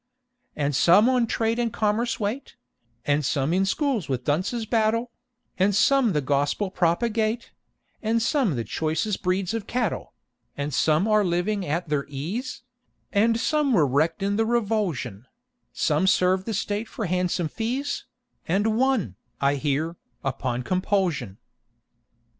And some on Trade and Commerce wait; And some in schools with dunces battle; And some the Gospel propagate; And some the choicest breeds of cattle; And some are living at their ease; And some were wrecked in "the revulsion;" Some served the State for handsome fees, And one, I hear, upon compulsion!